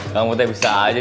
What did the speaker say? kamu te bisa aja cuy